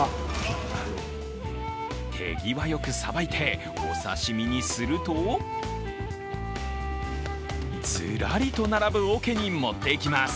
手際よくさばいてお刺身にするとずらりと並ぶおけに盛っていきます